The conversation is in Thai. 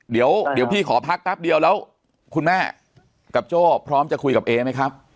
เดี๋ยวพี่ขอพักแป๊บเดียวแล้วคุณแม่กับโจ้พร้อมจะคุยกับเอไหมครับ